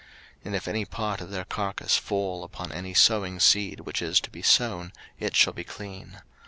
03:011:037 And if any part of their carcase fall upon any sowing seed which is to be sown, it shall be clean.